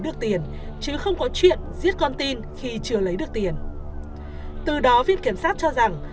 đưa tiền chứ không có chuyện giết con tin khi chưa lấy được tiền từ đó viện kiểm sát cho rằng